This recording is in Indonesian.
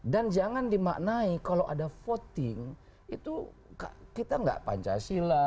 jangan dimaknai kalau ada voting itu kita nggak pancasila